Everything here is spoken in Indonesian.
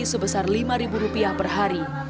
sebesar lima rupiah per hari